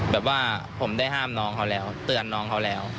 แบบว่าผมได้ห้ามน้องเขาแล้วเตือนน้องเขาแล้ว